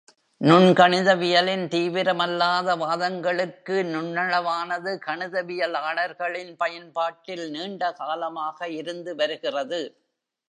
நுண்கணிதவியலில் தீவிரமல்லாத வாதங்களுக்கு நுண்ணளவானது கணிதவியலாளர்களின் பயன்பாட்டில் நீண்ட காலமாக இருந்துவருகிறது.